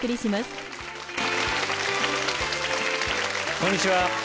こんにちは